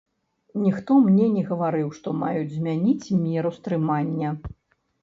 Ніхто мне не гаварыў, што маюць змяніць меру стрымання.